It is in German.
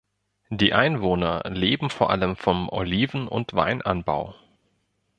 Die Einwohner leben vor allem vom Oliven- und Weinanbau.